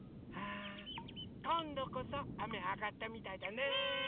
あこんどこそあめあがったみたいだね！ね！